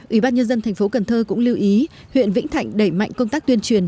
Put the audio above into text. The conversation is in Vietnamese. ủy ban nhân dân thành phố cần thơ cũng lưu ý huyện vĩnh thạnh đẩy mạnh công tác tuyên truyền